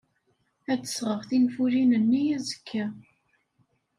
Ad d-sɣeɣ tinfulin-nni azekka.